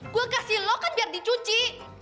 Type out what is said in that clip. gue kasih lo kan biar dicuci